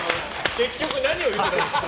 結局何を言いたいんですか？